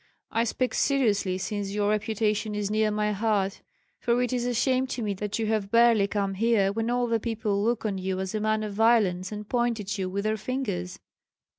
I speak seriously, since your reputation is near my heart; for it is a shame to me that you have barely come here, when all the people look on you as a man of violence and point at you with their fingers."